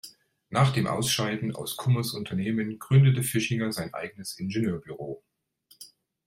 Nach dem Ausscheiden aus Kummers Unternehmen gründete Fischinger sein eigenes Ingenieurbüro.